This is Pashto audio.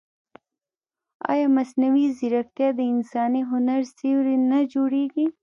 ایا مصنوعي ځیرکتیا د انساني هنر سیوری نه جوړوي؟